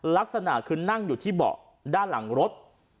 ลักษณะคือนั่งอยู่ที่เบาะด้านหลังรถ